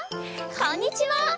こんにちは！